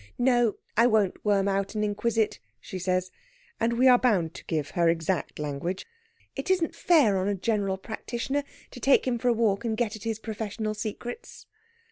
"No, I won't worm out and inquisit," she says and we are bound to give her exact language. "It isn't fair on a general practitioner to take him for a walk and get at his professional secrets."